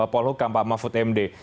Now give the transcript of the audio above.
pak mahfud md